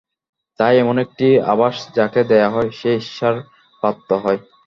এটা এমন একটি আবাস যাকে দেয়া হয় সে ঈর্ষার পাত্র হয়।